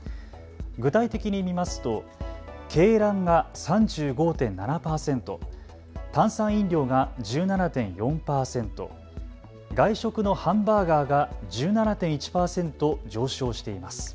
具体的に見ますと鶏卵が３５．７％、炭酸飲料が１７．４％、外食のハンバーガーが１７．１％上昇しています。